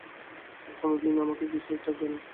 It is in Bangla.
আর কোনো দিন আমাকে পিশাচ ডাকবে না।